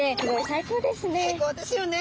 最高ですよね。